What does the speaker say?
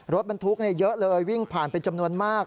รถบรรทุกเยอะเลยวิ่งผ่านเป็นจำนวนมาก